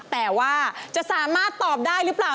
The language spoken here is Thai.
แต่ว่าจะสามารถตอบได้หรือเปล่า